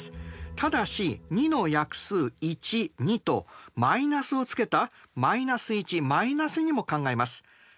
ただし２の約数１２とマイナスをつけた−１−２も考えます。